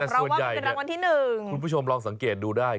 แต่ส่วนใหญ่คุณผู้ชมลองสังเกตดูได้